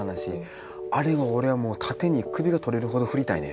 あれが俺は縦に首が取れるほど振りたいね。